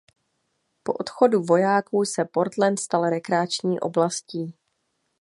Po odchodu vojáků se Portland stal rekreační oblastí.